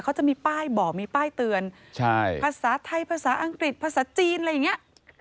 เขาจะมีป้ายบอกมีป้ายเตือนภาษาไทยภาษาอังกฤษภาษาจีนอะไรอย่างนี้